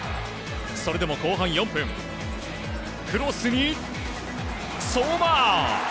それでも後半４分クロスに相馬！